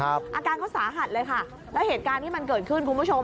อาการเขาสาหัสเลยค่ะแล้วเหตุการณ์ที่มันเกิดขึ้นคุณผู้ชม